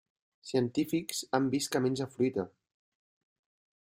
Científics han vist que menja fruita.